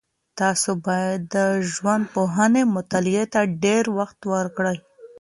تاسو باید د ژوندپوهنې مطالعې ته ډېر وخت ورکړئ.